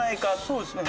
そうですね。